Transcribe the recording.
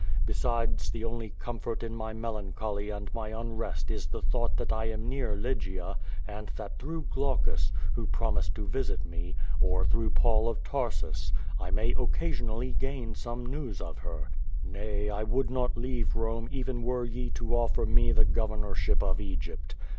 Besides the only comfort in my melancholy and my unrest is the thought that I am near Lygia and that through Olaueus, who promise<l to visit me, or through Paul of Tarsus, I may occasionally gain QUO VADIS. 227 some news of her. Nay, I would not leave Rome even were ye to offer me the governorship of Egypt.